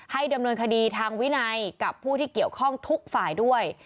ดำเนินคดีทางวินัยกับผู้ที่เกี่ยวข้องทุกฝ่ายด้วย